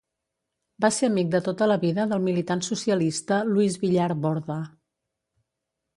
Va ser amic de tota la vida del militant socialista Luis Villar Borda.